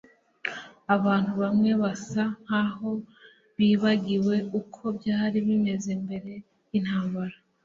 Abantu bamwe basa nkaho bibagiwe uko byari bimeze mbere yintambara